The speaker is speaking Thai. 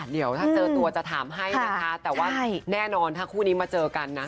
เดี๋ยวถ้าเจอตัวจะถามให้นะคะแต่ว่าแน่นอนถ้าคู่นี้มาเจอกันนะ